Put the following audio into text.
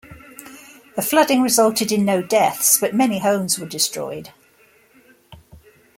The flooding resulted in no deaths but many homes were destroyed.